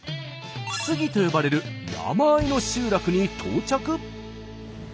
「杉」と呼ばれる山あいの集落に到着。